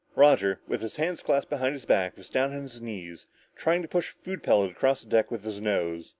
Roger, with his hands clasped behind his back, was down on his knees trying to push a food pellet across the deck with his nose.